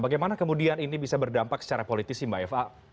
bagaimana kemudian ini bisa berdampak secara politisi mbak eva